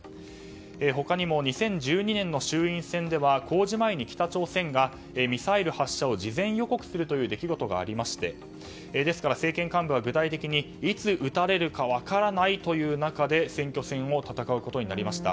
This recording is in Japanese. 他にも２０１２年の衆院選では公示前に北朝鮮がミサイル発射を事前予告する出来事がありましてですから政権幹部は具体的にいつ撃たれるか分からないという中で選挙戦を戦うことになりました。